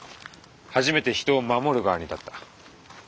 初めて人を守る側に立った。